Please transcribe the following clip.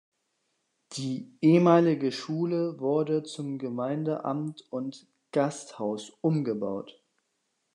Die ehemalige Schule wurde zum Gemeindeamt und Gasthaus umgebaut.